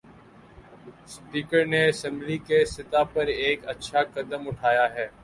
Speaker نے assembly کی سطح پر ایک اچھا قدم اٹھایا ہے۔